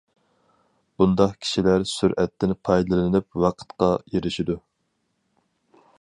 بۇنداق كىشىلەر سۈرئەتتىن پايدىلىنىپ ۋاقىتقا ئېرىشىدۇ.